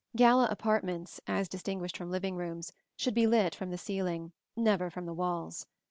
] Gala apartments, as distinguished from living rooms, should be lit from the ceiling, never from the walls.